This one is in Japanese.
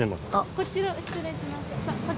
こちら失礼します。